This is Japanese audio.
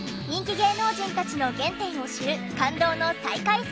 人気芸能人たちの原点を知る感動の再会